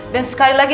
dan sekali lagi